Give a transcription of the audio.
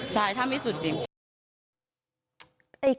ใช่ถ้าไม่สุดจริง